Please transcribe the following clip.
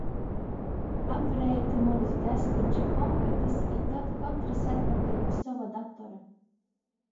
Apreitu munys gastiņča kompetys i tod kotrys atpakaļ pi sova datora.